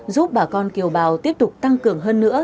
giúp bà con kiều bào tiếp tục tăng cường hơn nữa